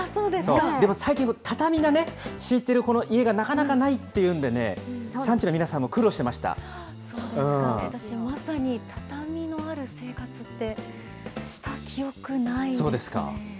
でも最近、畳がね、敷いてるこの家がなかなかないっていうんでね、産地の皆さんも苦私、まさに畳のある生活って、そうですか。